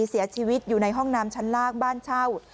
เสียชีวิตอยู่ในห้องน้ำชั้นล่างบ้านเช่า